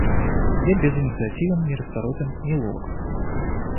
Я безынициативен, нерасторопен, неловок.